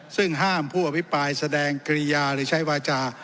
ซึ่งห้ามผู้อภิปรายแสดงกริยาหรือใช้วาจา